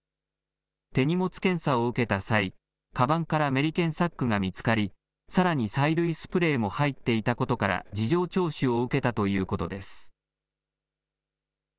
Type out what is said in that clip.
手荷物検査を受けた際、かばんからメリケンサックが見つかり、さらに催涙スプレーも入っていたことから事情聴取を受けたということです。